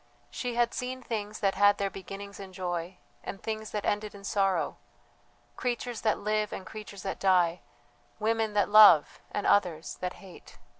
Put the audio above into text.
She had seen things that had their beginnings in joy, and things that ended in sorrow, creatures that live and creatures that die, women that love and others that hate.